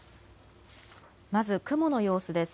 まず雲の様子です。